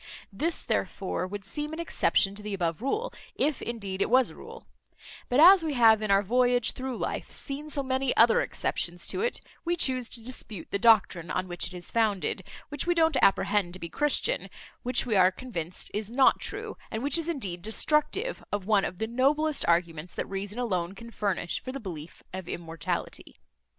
This therefore would seem an exception to the above rule, if indeed it was a rule; but as we have in our voyage through life seen so many other exceptions to it, we chuse to dispute the doctrine on which it is founded, which we don't apprehend to be Christian, which we are convinced is not true, and which is indeed destructive of one of the noblest arguments that reason alone can furnish for the belief of immortality.